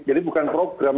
jadi bukan program